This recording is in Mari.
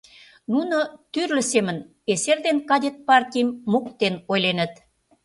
Нуно тӱрлӧ семын эсер ден кадет партийым моктен ойленыт.